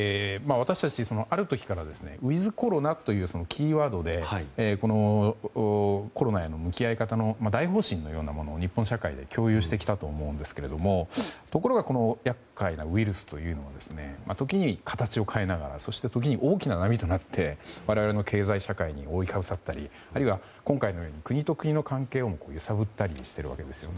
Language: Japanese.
私たち、ある時からウィズコロナというキーワードでコロナへの向き合い方の大方針のようなものを日本社会で共有してきたと思うんですがところがこの厄介なウイルスというのは時に形を変えながら時に大きな波となって我々の経済社会に覆いかぶさったりあるいは、今回のように国と国との関係を揺さぶったりもしているわけですね。